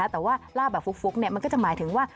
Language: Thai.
แต่ว่าลาบแบบฟุกมันก็จะหมายถึงว่า